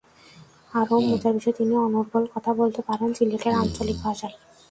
আরও মজার বিষয়, তিনি অনর্গল কথা বলতে পারেন সিলেটের আঞ্চলিক ভাষায়।